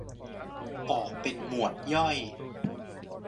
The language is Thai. ออกเป็นหมวดย่อย